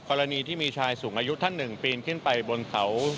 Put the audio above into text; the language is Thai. กรณีที่มีชายสูงอายุท่านหนึ่งปีนขึ้นไปบนเขา